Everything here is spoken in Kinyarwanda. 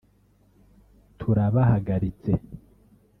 turabahagaritse